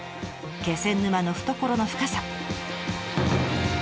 気仙沼の懐の深さ。